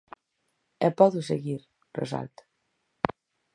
"E podo seguir", resalta.